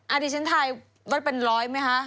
อาทิตย์ชั้นถ่ายว่าเป็นร้อยไหมคะ